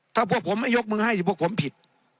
ถ้าพวกผมไม่ยกมือให้พวกผมผิด